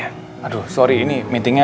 jadi ini meetingnya dadakan di majlis ini ya